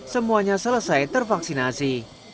semuanya selesai tervaksinasi